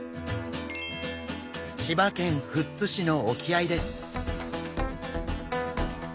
千葉県富津市の沖合です。